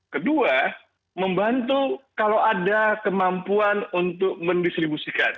kedua membantu kalau ada kemampuan untuk mendistribusikan